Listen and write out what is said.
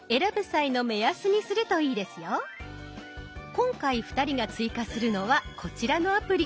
今回２人が追加するのはこちらのアプリ。